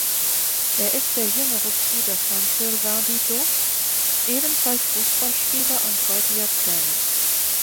Er ist der jüngere Bruder von Sylvain Didot, ebenfalls Fußballspieler und heutiger Trainer.